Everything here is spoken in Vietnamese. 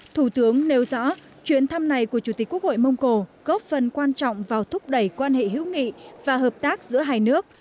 thủ tướng nêu rõ chuyến thăm này của chủ tịch quốc hội mông cổ góp phần quan trọng vào thúc đẩy quan hệ hữu nghị và hợp tác giữa hai nước